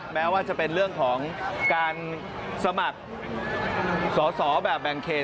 แม้ว่าจะเป็นเรื่องของการสมัครสอสอแบบแบ่งเขต